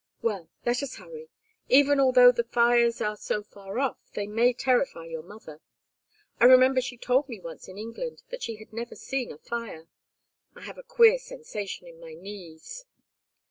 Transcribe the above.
Well, let us hurry. Even although the fires are so far off they may terrify your mother. I remember she told me once in England that she had never seen a fire. I have a queer sensation in my knees."